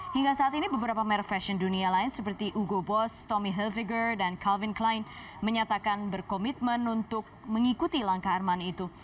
hingga saat ini beberapa merek fashion dunia lain seperti ugo boss tommy hilfiger dan calvin klein menyatakan berkomitmen untuk mengikuti langkah armani itu